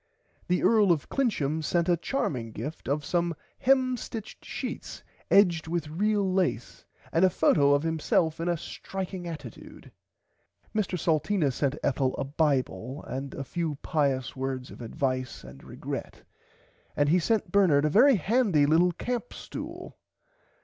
The earl of Clincham sent a charming gift of some hem stitched sheets edged with real lace and a photo of himself in a striking attitude. [Pg 97] Mr Salteena sent Ethel a bible with a few pious words of advice and regret and he sent Bernard a very handy little camp stool.